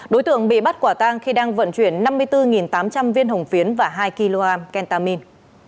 đối tượng bị bắt quả tang khi đang vận chuyển năm mươi bốn tám trăm linh viên hồng phiến và hai kg kentamine